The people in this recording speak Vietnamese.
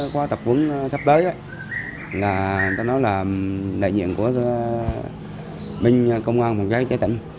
qua tập huấn sắp tới là người ta nói là đại diện của mình công an phòng cháy cháy tỉnh